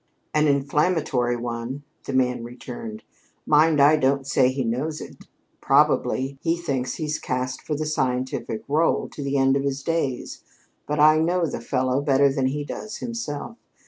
'An inflammatory one,' the man returned. 'Mind, I don't say he knows it. Probably he thinks he's cast for the scientific rôle to the end of his days, but I know the fellow better than he does himself.